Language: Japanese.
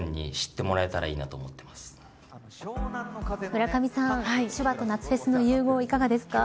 村上さん、手話と夏フェスの融合いかがですか。